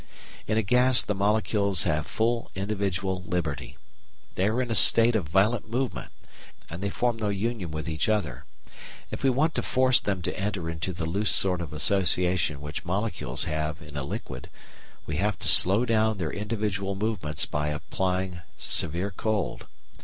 In a gas the molecules have full individual liberty. They are in a state of violent movement, and they form no union with each other. If we want to force them to enter into the loose sort of association which molecules have in a liquid, we have to slow down their individual movements by applying severe cold.